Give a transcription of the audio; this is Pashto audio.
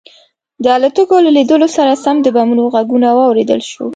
د الوتکو له لیدو سره سم د بمونو غږونه واورېدل شول